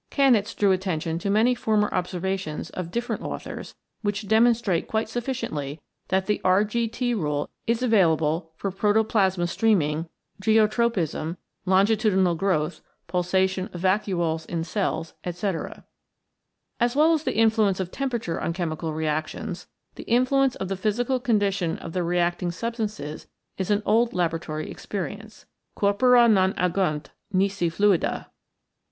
Kanitz drew attention to many former observations of different authors which demon strate quite sufficiently that the R.G.T. Rule is avail able for protoplasma streaming, geotropism, longi tudinal growth, pulsation of vacuoles in cells, etc. As well as the influence of temperature on chemical reactions, the influence of the physical condition of the reacting substances is an old laboratory experience : Corpora non agunt nisi fluida.